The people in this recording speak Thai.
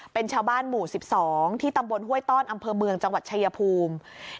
เป็นชาวบ้านหมู่๑๒ที่ตำบลห้วยต้อนอำเภอเมืองจังหวัดชายภูมิ